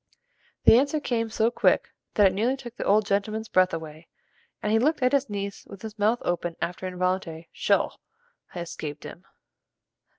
The answer came so quick that it nearly took the old gentleman's breath away, and he looked at his niece with his mouth open after an involuntary, "Sho!" had escaped him.